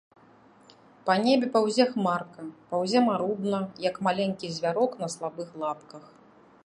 Па небе паўзе хмарка, паўзе марудна, як маленькі звярок на слабых лапках.